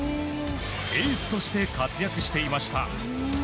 エースとして活躍していました。